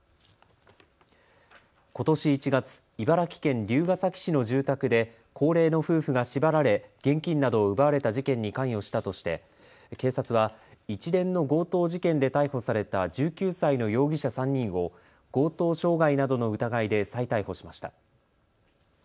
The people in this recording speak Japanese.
ことし１月、茨城県龍ケ崎市の住宅で高齢の夫婦が縛られ現金などを奪われた事件に関与したとして、警察は一連の強盗事件で逮捕された１９歳の容疑者３人を強盗傷害などの疑いで再逮捕しました。